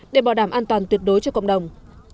để bảo đảm an toàn tuyệt đối cho cộng đồng